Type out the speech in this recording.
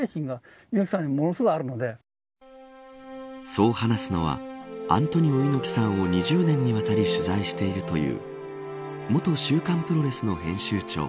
そう話すのはアントニオ猪木さんを２０年にわたり取材しているという元週刊プロレスの編集長